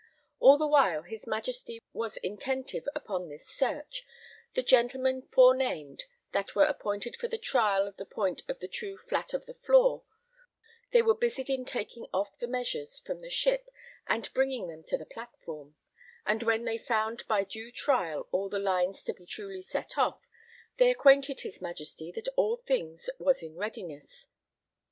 All the while his Majesty was intentive upon this search, the gentlemen forenamed, that were appointed for the trial of the point of the true flat of the floor, they were busied in taking off the measures from the ship and bringing them to the platform; and when they found by due trial all the lines to be truly set off, they acquainted his Majesty that all things was in readiness.